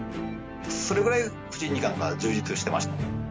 それぐらい藤井二冠が充実していました。